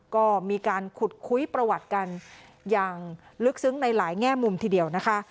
ก็มีการขุดคุยประวัติกันอย่างลึกซึ้งในหลายแง่มุมทีเดียวนะคะ